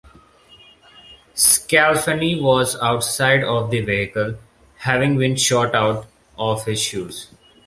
Sclafani was outside of the vehicle, having been shot out of his shoes.